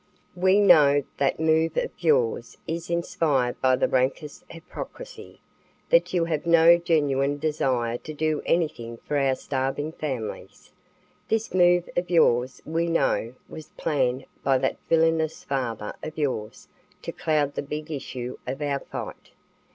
We know that move of yours is inspired by the rankest hypocrisy, that you have no genuine desire to do anything for our starving families. This move of yours, we know, was planned by that villainous father of yours to cloud the big issue of our fight.